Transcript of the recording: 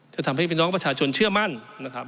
ทำให้พี่น้องประชาชนเชื่อมั่นนะครับ